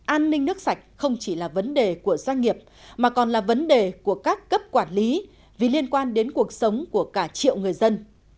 an ninh nước sạch không chỉ là vấn đề của doanh nghiệp mà còn là vấn đề của các cấp quản lý vì liên quan đến cuộc sống của cả triệu người dân